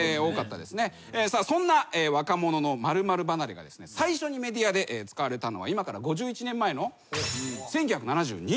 そんな「若者の○○離れ」が最初にメディアで使われたのが今から５１年前の１９７２年。